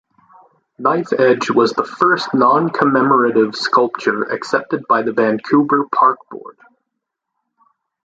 Knife Edge was the first non-commemorative sculpture accepted by the Vancouver Park Board.